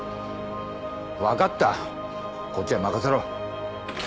分かったこっちは任せろ。